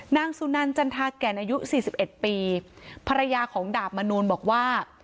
นางสุนันจันทาแก่นอายุสี่สิบเอ็ดปีภรรยาของดาบมนูลบอกว่า